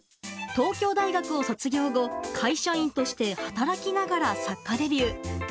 東京大学を卒業後会社員として働きながら作家デビュー。